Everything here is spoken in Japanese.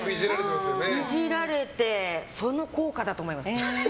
イジられてその効果だと思います。